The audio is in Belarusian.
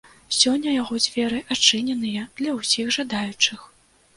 Сёння яго дзверы адчыненыя для ўсіх жадаючых.